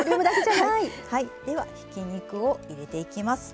はいではひき肉を入れていきます。